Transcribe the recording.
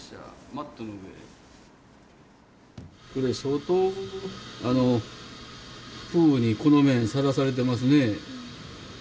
これ相当風雨にこの面さらされてますね。